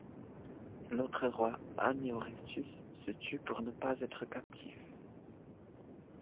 L'autre roi Aneorestus se tue pour ne pas être captif.